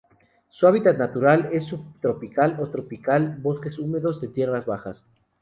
Su hábitat natural es: subtropical o tropical bosques húmedos de tierras bajas.